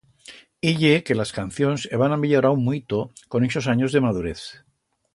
Y ye que las cancions heban amillorau muito con ixos anyos de madurez.